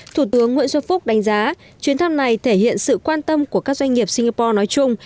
thủ tướng nguyễn xuân phúc đánh giá chuyến thăm này thể hiện sự quan tâm của các doanh nghiệp singapore nói chung